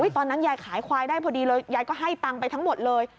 ตอนนั้นยายขายควายได้พอดีเลยยายก็ให้ตังค์ไปทั้งหมดเลย